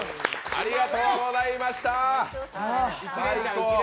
ありがとうございました、最高！